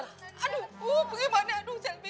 aduh gimana aduh selby